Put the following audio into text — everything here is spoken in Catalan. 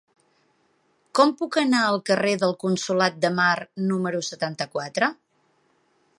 Com puc anar al carrer del Consolat de Mar número setanta-quatre?